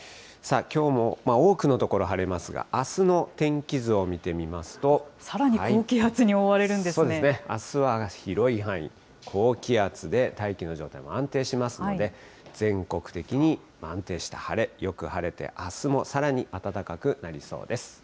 きょうも多くの所、晴れますが、さらに高気圧に覆われるんでそうですね、あすは広い範囲、高気圧で、大気の状態も安定しますので、全国的に安定した晴れ、よく晴れて、あすもさらに暖かくなりそうです。